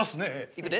いくで。